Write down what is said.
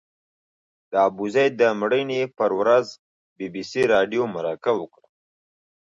د ابوزید د مړینې پر ورځ بي بي سي راډیو مرکه وکړه.